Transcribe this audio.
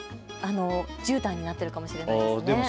じゅうたんになっているかもしれないですね。